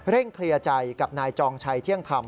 เคลียร์ใจกับนายจองชัยเที่ยงธรรม